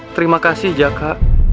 terima kasih jaka